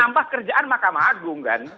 nampak kerjaan mahkamah agung kan